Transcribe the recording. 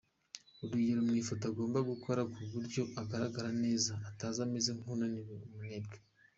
Urugero mu ifoto agomba gukora ku buryo agaragara neza ataza ameze nk’unaniwe, umunebwe.